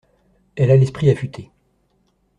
Elle a l’esprit affuté.